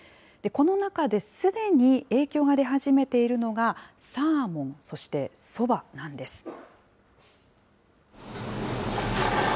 この中で、すでに影響が出始めているのが、サーモン、そしてそばなんです。